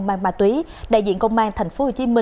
mang ma túy đại diện công an tp hcm